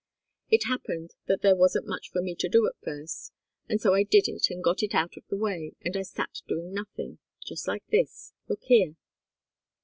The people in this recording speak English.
It happened that there wasn't much for me to do at first, and so I did it, and got it out of the way, and I sat doing nothing just like this look here!"